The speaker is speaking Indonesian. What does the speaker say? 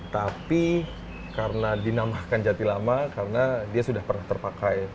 tapi karena dinamakan jati lama karena dia sudah pernah terpakai